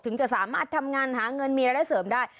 จะสามารถทำงานหาเงินมีรายได้เสริมได้